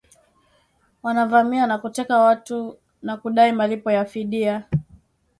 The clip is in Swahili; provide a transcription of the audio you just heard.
wanavamia na kuteka watu na kudai malipo ya fidia